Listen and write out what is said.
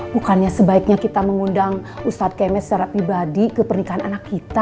bukannya sebaiknya kita mengundang ustadz kemes secara pribadi ke pernikahan anak kita